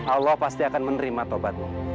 allah pasti akan menerima tobatmu